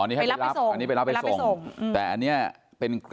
อ๋ออันนี้ให้รับไปส่งอันนี้ไปรับไปส่งไปรับไปส่งแต่อันเนี้ยเป็น